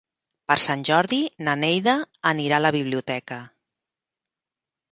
Per Sant Jordi na Neida anirà a la biblioteca.